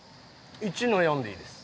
１−４でいいです。